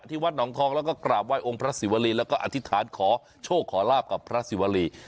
วัดหนองทองแล้วก็กราบไห้องค์พระศิวรีแล้วก็อธิษฐานขอโชคขอลาบกับพระศิวรี